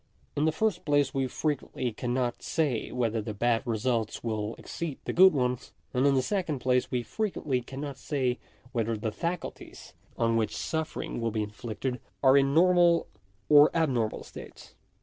In the first place we frequently cannot say whether the bad results will exceed the good ones ; and in the second place we frequently cannot say whether the faculties on which suffering will be inflicted, are in normal or abnormal states.